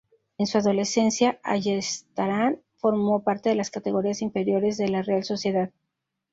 En su adolescencia, Ayestarán formó parte de las categorías inferiores de la Real Sociedad.